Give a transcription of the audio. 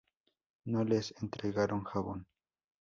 No les entregaron jabón.